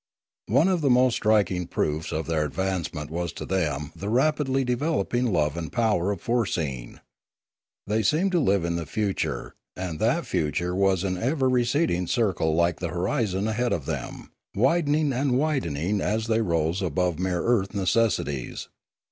One of the most striking proofs of their advancement was to them the rapidly developing love and power of foreseeing. They seemed to live in the future, and that future was an ever receding circle like the horizon ahead of them, widening and widening as they rose above mere earth necessities.